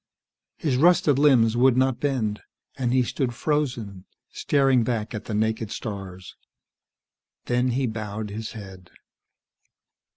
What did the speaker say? His rusted limbs would not bend, and he stood frozen, staring back at the naked stars. Then he bowed his head.